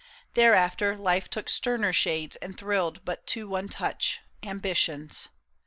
Thereafter life took sterner shades and thrilled But to one touch, Ambition's.